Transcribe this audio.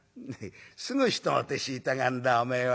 「すぐ人の手知りたがんだおめえは。